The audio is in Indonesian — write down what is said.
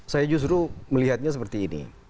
saya justru melihatnya seperti ini